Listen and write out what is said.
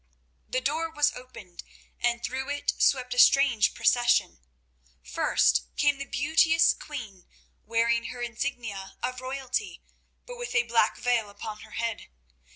The door was opened, and through it swept a strange procession. First came the beauteous queen wearing her insignia of royalty, but with a black veil upon her head.